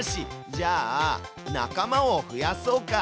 じゃあ仲間を増やそうか。